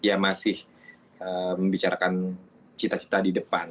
ya masih membicarakan cita cita di depan